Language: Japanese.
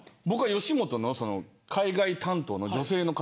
吉本の海外担当の女性の方